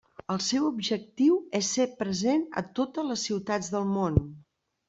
El seu objectiu és ser present a totes les ciutats del món.